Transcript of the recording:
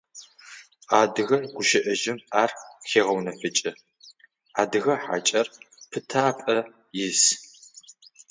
Адыгэ гущыӏэжъыми ар хегъэунэфыкӏы: «Адыгэ хьакӏэр пытапӏэ ис».